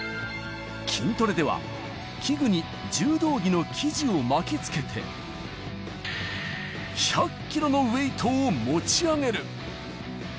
筋トレでは、器具に柔道着の生地を巻きつけて、１００キロのウエイトを持ち上げる。